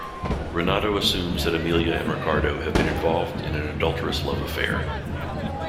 Renato assumes that Amelia and Riccardo have been involved in an adulterous love affair.